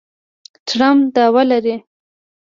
ټرمپ دعوه لري